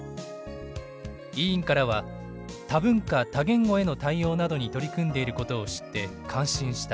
委員からは「多文化・多言語への対応などに取り組んでいることを知って感心した」。